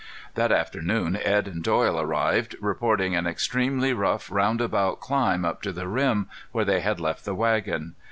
That afternoon Edd and Doyle arrived, reporting an extremely rough, roundabout climb up to the rim, where they had left the wagon.